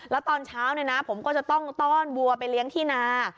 แล้วตอนเช้าเนี่ยนะผมก็จะต้องต้อนวัวไปเลี้ยงที่นา